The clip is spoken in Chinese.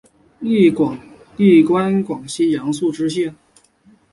历官广西阳朔县知县。